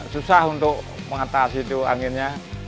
susah untuk mengatasi itu anginnya